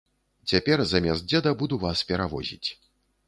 Цяпер замест дзеда буду вас перавозіць.